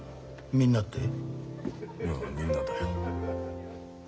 みんなだよ。